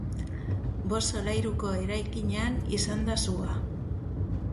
Bost solairuko eraikinean izan da sua.